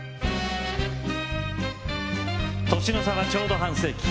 年の差はちょうど半世紀。